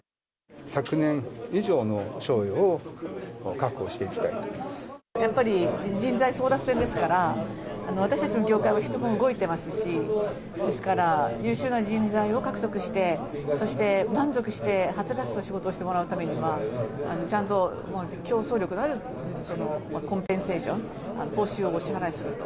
昨年以上の賞与を確保をしていきやっぱり人材争奪戦ですから、私たちの業界は人も動いてますし、ですから、優秀な人材を獲得して、そして満足して、はつらつと仕事をしてもらうためには、ちゃんと競争力のあるコンペンセーション、報酬をお支払いすると。